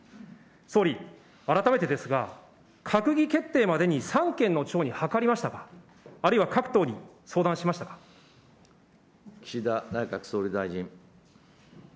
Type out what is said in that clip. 総理、改めてですが、閣議決定までに三権の長に諮りましたか、あるいは各党に相談しま岸田内閣総理大臣。